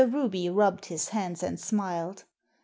Ruby rubbed his hands and smiled.